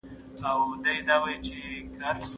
په لاس لیکلنه د ذهن او بدن ترمنځ پول جوړوي.